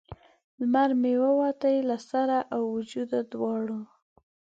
لمر مې ووتی له سر او وجود دواړه